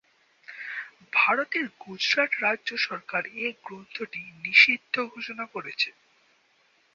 ভারতের গুজরাটের রাজ্য সরকার এ গ্রন্থটি নিষিদ্ধ ঘোষণা করেছে।